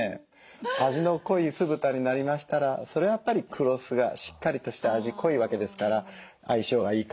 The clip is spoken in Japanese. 味の濃い酢豚になりましたらそれはやっぱり黒酢がしっかりとした味濃いわけですから相性がいいかなと。